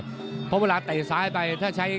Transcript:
เพราะเวลาเตะซ้ายไปถ้าใช้